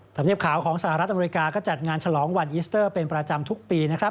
ธรรมเนียบขาวของสหรัฐอเมริกาก็จัดงานฉลองวันอีสเตอร์เป็นประจำทุกปีนะครับ